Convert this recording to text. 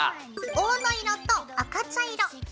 黄土色と赤茶色。